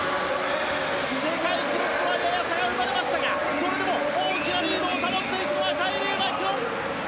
世界記録とはやや差が生まれましたがそれでも大きなリードを保っていくのはカイリー・マキュオン。